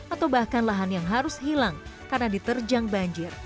atau bahkan lahan yang harus hilang karena diterjang banjir